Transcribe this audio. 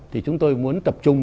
thì chúng tôi muốn tập trung